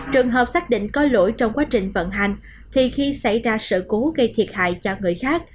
trường hợp xác định có lỗi trong quá trình vận hành thì khi xảy ra sự cố gây thiệt hại cho người khác